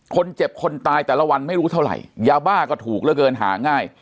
คนเจ็บคนตายแต่ละวันไม่รู้เท่าไหร่ยาบ้าก็ถูกเหลือเกินหาง่าย